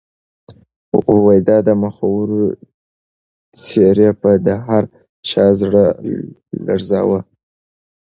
د آدمخورو څېرې به د هر چا زړه لړزاوه.